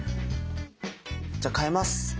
じゃあ換えます！